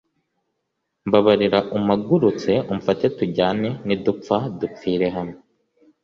mbabarira umpagurutse umfate tujyane nidupfa dupfire hamwe